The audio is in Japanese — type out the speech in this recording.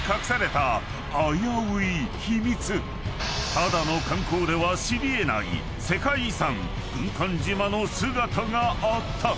［ただの観光では知り得ない世界遺産軍艦島の姿があった］